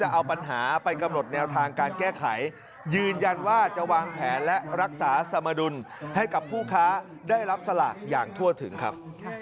เราจะปักหลักทั้งคืนที่นี่รอจนกว่าผู้หลักผู้ใหญ่จะมาคุยกัน